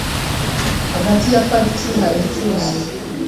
Hagati ya parike hari icyuzi .